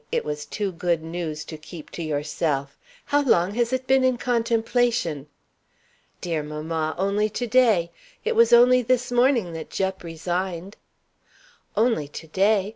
It was too good news to keep to yourself. How long has it been in contemplation?" "Dear mamma, only to day. It was only this morning that Jupp resigned." "Only to day!